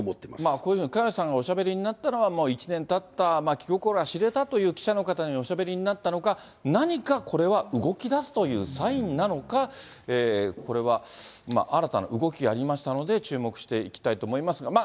こういうふうに佳代さんがおしゃべりになったのは、１年たった気心が知れたという記者の方におしゃべりになったのか、何かこれは動きだすというサインなのか、これは新たな動きがありましたので、注目していきたいと思いますが。